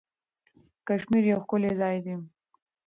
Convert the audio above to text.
کشمیر یو ښکلی ځای دی.